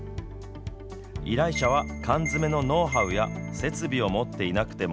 依頼者は缶詰のノウハウや設備を持っていなくても